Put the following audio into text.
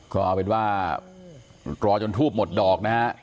ก็เอาเป็นว่ารอจนทูบหมดดอกนะฮะ